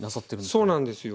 そうなんですよ。